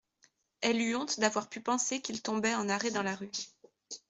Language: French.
Elle eut honte d’avoir pu penser qu’il tombait en arrêt dans la rue